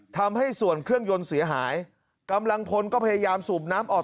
ทำให้ส่วนเครื่องยนต์เสียหายกำลังพลก็พยายามสูบน้ำออก